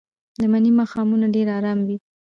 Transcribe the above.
د مني ماښامونه ډېر ارام وي